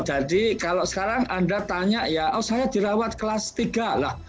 jadi kalau sekarang anda tanya ya oh saya dirawat kelas tiga lah